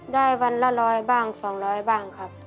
ได้วันละร้อยบ้างสองร้อยบ้างครับ